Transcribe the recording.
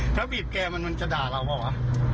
เปิดปีบแก่มันจะด่าเราเปล่าว่ะ